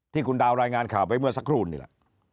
ที่คุณดาวรายงานข่าวไปเมื่อสักครู่นี่แหละ